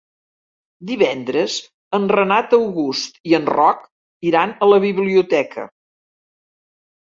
Divendres en Renat August i en Roc iran a la biblioteca.